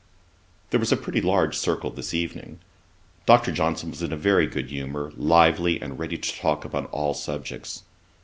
There was a pretty large circle this evening. Dr. Johnson was in very good humour, lively, and ready to talk upon all subjects.